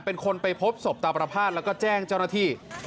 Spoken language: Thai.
เป็นคนไปพบศพตาประพาทแล้วก็แจ้งเจ้าหน้าที่